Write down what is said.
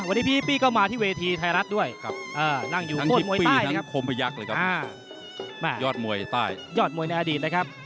วันนี้พี่ฮิปปี้ก็มาที่เวทีไทยรัฐด้วยนั่งอยู่โค้ดมวยใต้นะครับยอดมวยในอดีตนะครับ